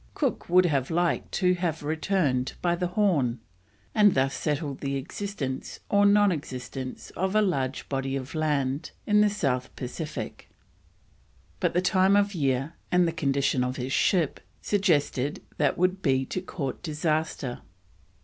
Cook would have liked to have returned by the Horn and thus settle the existence or non existence of a large body of land in the South Pacific, but the time of year and the condition of his ship suggested that would be to court disaster.